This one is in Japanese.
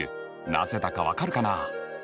なぜだか分かるかな？